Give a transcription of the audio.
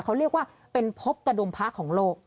เขาเรียกว่าเป็นพบกระดุมพระของโลก